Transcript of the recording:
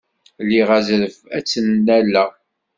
Liɣ azref ad tt-nnaleɣ?